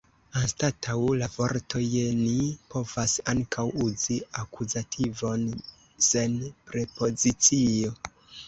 Anstataŭ la vorto « je » ni povas ankaŭ uzi akuzativon sen prepozicio.